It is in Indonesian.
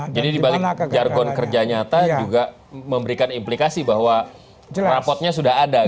jadi di balik jargon kerja nyata juga memberikan implikasi bahwa rapotnya sudah ada gitu ya